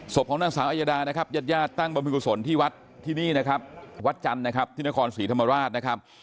สบของนักศึกษาอัยดายัดยาตร์ตั้งบัมพิกษลที่วัดที่นี่วัดจันทร์ที่นครศรีธรรมราช